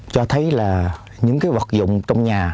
cho thấy là những vật dụng trong nhà